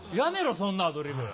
そんなアドリブ。